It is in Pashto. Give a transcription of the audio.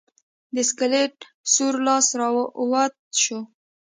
د سکلیټ سور لاس راوت شو.